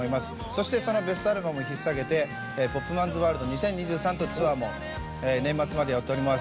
そしてそのベストアルバムをひっさげて「ＰＯＰＭＡＮ’ＳＷＯＲＬＤ２０２３」というツアーも年末までやっております